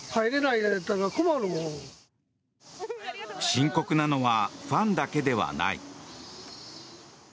深刻なのはファンだけではない。